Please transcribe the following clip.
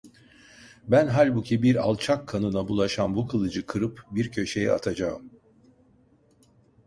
Ben halbuki bir alçak kanına bulaşan bu kılıcı kırıp bir köşeye atacağım.